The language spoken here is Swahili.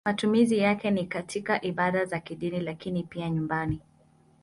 Matumizi yake ni katika ibada za kidini lakini pia nyumbani.